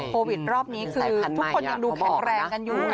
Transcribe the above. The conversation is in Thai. โควิดรอบนี้คือทุกคนยังดูแข็งแรงกันอยู่